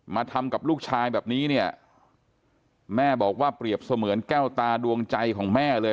มาทำกับลูกชายแบบนี้เนี่ยว่าแก้วตาดวงใจของแม่เลย